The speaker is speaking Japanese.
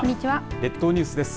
列島ニュースです。